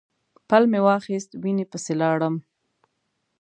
پل مې واخیست وینې پسې لاړم.